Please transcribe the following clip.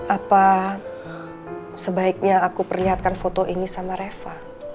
apa sebaiknya aku perlihatkan foto ini sama reva